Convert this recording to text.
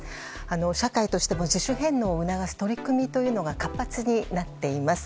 社会としても自主返納を促す取り組みが活発になっています。